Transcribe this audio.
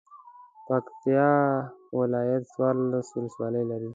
پکتیا ولایت څوارلس ولسوالۍ لري.